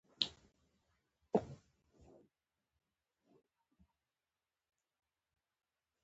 د نظم او ډیسپلین پرته هېڅکله نه شئ ترلاسه کولای.